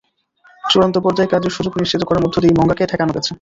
চূড়ান্ত পর্যায়ে কাজের সুযোগ নিশ্চিত করার মধ্য দিয়েই মঙ্গাকে ঠেকানো গেছে।